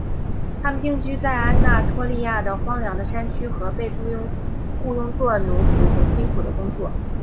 他们定居在安纳托利亚内的荒凉的山区和被雇用作奴仆和辛苦的工作。